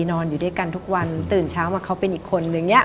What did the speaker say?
นอนอยู่ด้วยกันทุกวันตื่นเช้ามาเขาเป็นอีกคนนึงเนี่ย